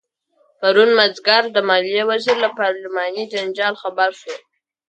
پرون مازدیګر د مالیې وزیر له پارلماني جنجال خبر شو.